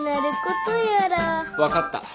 分かった。